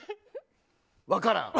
分からん。